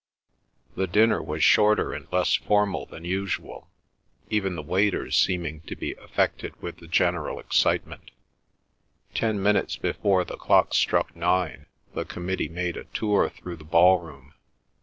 The dinner was shorter and less formal than usual, even the waiters seeming to be affected with the general excitement. Ten minutes before the clock struck nine the committee made a tour through the ballroom.